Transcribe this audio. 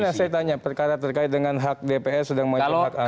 gimana saya tanya perkara terkait dengan hak dps sedang mencoba angket